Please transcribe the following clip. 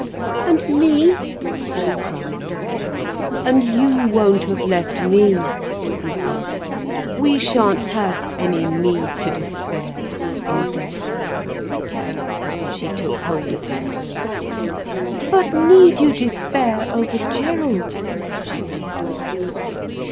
"And me?" she cried. "And you won't have left me," he said. "We shan't have any need to despair, in death." She took hold of his hand. "But need you despair over Gerald?" she said.